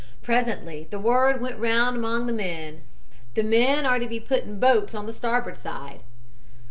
Presently the word went round among the men, 'the men are to be put in boats on the starboard side.'